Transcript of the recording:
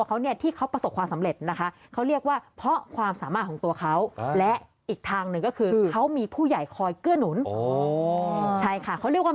เขาเรียกว่ามีเกณฑ์ป่าดันนั่นเองนะครับ